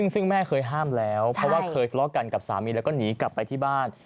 ซึ่งแม่เคยห้ามแล้วเพราะว่าเคยทะเลาะกันกับสามีแล้วก็หนีกลับไปที่บ้าน